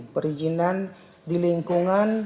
perizinan di lingkungan